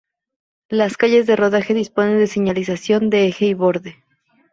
Las calles de rodaje disponen de señalización de eje y borde.